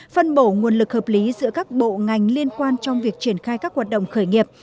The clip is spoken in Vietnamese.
phân bổ nguồn lực hợp lý giữa các bộ ngành liên quan trong việc triển khai các hoạt động khởi nghiệp